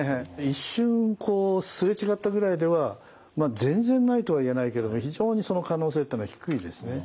一瞬すれ違ったぐらいでは全然ないとは言えないけども非常にその可能性っていうのは低いですね。